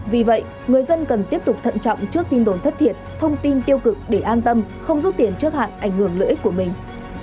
vì vậy người dân cần tiếp tục thận trọng trước tin đồn thất thiệt thông tin tiêu cực để an tâm không rút tiền trước hạn ảnh hưởng lợi ích của mình